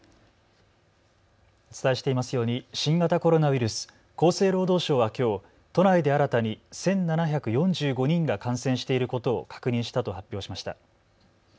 お伝えしていますように新型コロナウイルス、厚生労働省はきょう都内で新たに１７４５人が感染していることを確認したと発表しました。